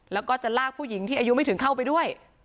แล้วก็จะลากผู้หญิงที่อายุไม่ถึงเข้าไปด้วย